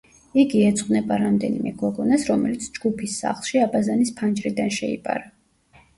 იგი ეძღვნება რამდენიმე გოგონას, რომელიც ჯგუფის სახლში აბაზანის ფანჯრიდან შეიპარა.